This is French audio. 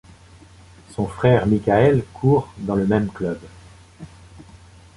Son frère Mickael court dans le même club.